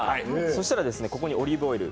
そしたらここにオリーブオイル。